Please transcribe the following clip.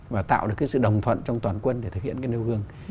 và tạo được cái sự đồng thuận trong toàn quân để thực hiện cái nêu gương